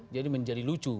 jadi menjadi lucu